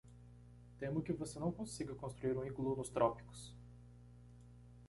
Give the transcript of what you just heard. Temo que você não consiga construir um iglu nos trópicos.